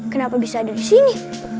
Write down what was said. kenapa bisa ada disini